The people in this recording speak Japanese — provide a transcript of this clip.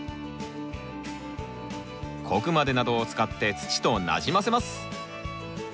小クマデなどを使って土となじませます。